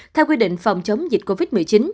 theo quy định phòng chống dịch covid một mươi chín